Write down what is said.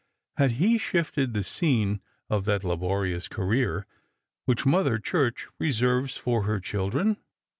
Had he shifted the scene of that laborious career which Mother Church reserves for her children